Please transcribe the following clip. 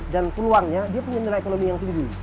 dan peluangnya dia punya nilai ekonomi yang tinggi